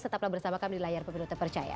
tetaplah bersama kami di layar pemilu terpercaya